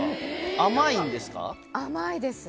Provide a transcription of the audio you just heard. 甘いです。